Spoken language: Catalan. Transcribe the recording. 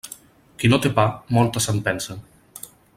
Qui no té pa, moltes se'n pensa.